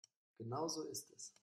Genau so ist es.